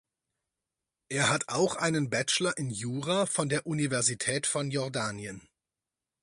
Er hat auch einen Bachelor in Jura von der Universität von Jordanien.